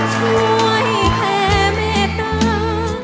ช่วยแค่แม่ตา